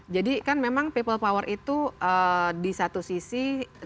jadi kan memang people power itu di satu sisi